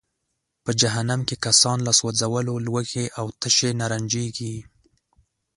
په جهنم کې کسان له سوځولو، لوږې او تشې نه رنجیږي.